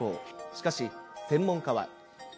しかし、専門家は。